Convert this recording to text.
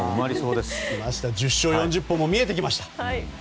１０勝４０本も見えてきました。